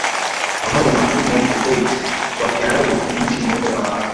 pamoja na uchumi wake Kuwait kwa Kiarabu ni nchi ndogo ya Uarabuni